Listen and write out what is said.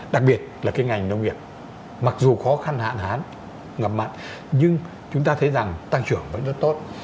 đặc biệt là ngành nông nghiệp mặc dù khó khăn hạn hán ngập mặn nhưng chúng ta thấy tăng trưởng rất tốt